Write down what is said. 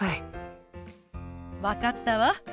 分かったわ。